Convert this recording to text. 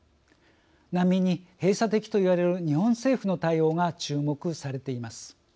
難民に閉鎖的と言われる日本政府の対応が注目されています。